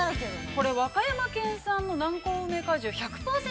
◆これ、和歌山県産の南高梅果汁１００％